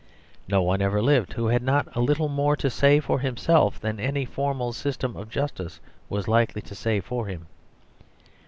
No one ever lived who had not a little more to say for himself than any formal system of justice was likely to say for him.